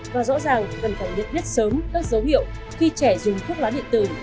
và rõ ràng cần phải nhận biết sớm các dấu hiệu khi trẻ dùng thuốc lá điện tử